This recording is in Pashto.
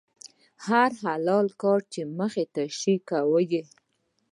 هر حلال کار چې مخې ته شي، کوي یې.